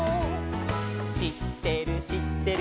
「しってるしってる」